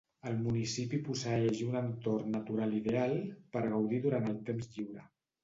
El municipi posseeix un entorn natural ideal per gaudir durant el temps lliure.